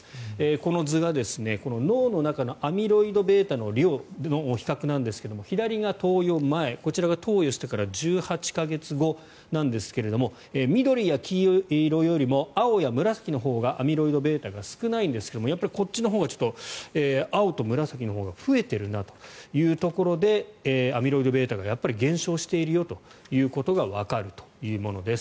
この図が脳の中のアミロイドβの量の比較なんですが左が投与前こちらが投与してから１８か月後なんですが緑や黄色よりも青や紫のほうがアミロイドβが少ないんですがこっちのほうが青と紫が増えているなというところでアミロイドβがやっぱり減少しているよということがわかるというものです。